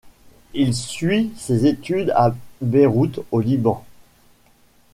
Il suit ses études à Beyrouth, au Liban.